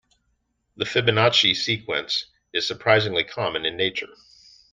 The Fibonacci sequence is surprisingly common in nature.